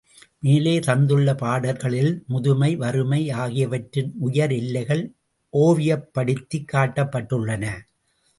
மேலே தந்துள்ள பாடல்களில் முதுமை வறுமை ஆகியவற்றின் உயர் எல்லைகள் ஓவியப்படுத்திக் காட்டப்பட்டுள்ளன.